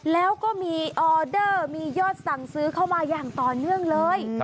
แล้วก็มีออเดอร์มียอดสั่งซื้อเข้ามาอย่างต่อเนื่องเลย